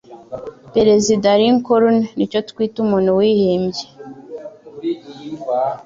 Perezida Lincoln nicyo twita umuntu wihimbye.